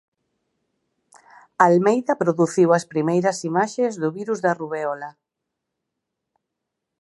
Almeida produciu as primeiras imaxes do virus da rubéola.